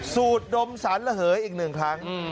สูตรดมสารเหลือเหลออีก๑ครั้ง